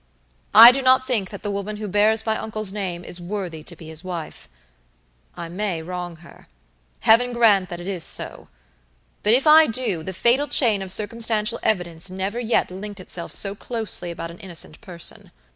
I do not think that the woman who bears my uncle's name, is worthy to be his wife. I may wrong her. Heaven grant that it is so. But if I do, the fatal chain of circumstantial evidence never yet linked itself so closely about an innocent person.